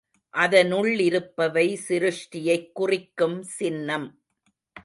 அதனுள் இருப்பவை சிருஷ்டியைக் குறிக்கும் சின்னம்.